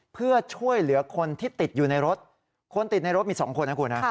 เพื่อช่วยเหลือคนที่ติดอยู่ในรถคนติดในรถมี๒คนนะคุณฮะ